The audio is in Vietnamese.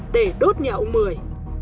để đốt nhà ông mười